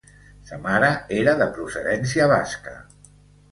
Sa mare era de procedència basca.